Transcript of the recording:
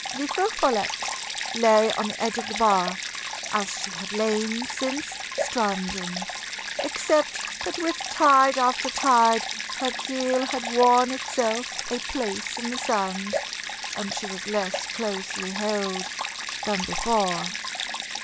The Feu Follette lay on the edge of the bar, as she had lain since stranding, except that with tide after tide her keel had worn itself a place in the sand, and she was less closely held than before.